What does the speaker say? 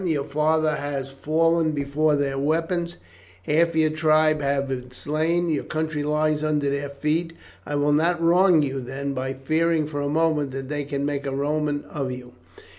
Your father has fallen before their weapons, half your tribe have been slain, your country lies under their feet. I will not wrong you then by fearing for a moment that they can make a Roman of you.